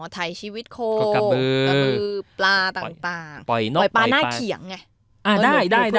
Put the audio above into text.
อ๋อทัยชีวิตโคก็กระบือกกระบือปลาต่างปล่อยปลาน่าเขียงไงอ่าได้ได้ได้